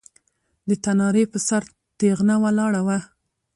د تنارې پر سر تېغنه ولاړه وه.